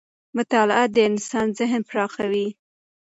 مطالعه د انسان ذهن پراخوي